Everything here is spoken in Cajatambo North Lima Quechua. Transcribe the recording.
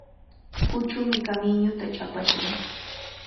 Huchumi kamiñuta chapashqa.